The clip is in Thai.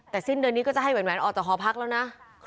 แต่สิ้นเดือนนี้ก็จะให้แหวนออกจากหอพักแล้วนะ